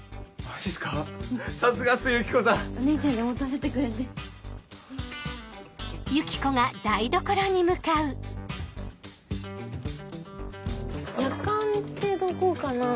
やかんってどこかな？